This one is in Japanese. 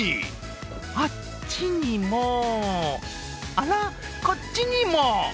あっちにも、あら、こっちにも！